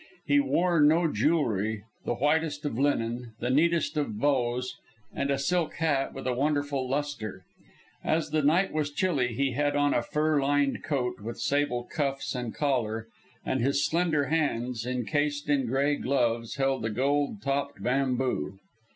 He wore no jewellery, the whitest of linen, the neatest of bows, and a silk hat with a wonderful lustre. As the night was chilly he had on a fur lined coat with sable cuffs and collar, and his slender hands, encased in grey gloves, held a gold topped bamboo.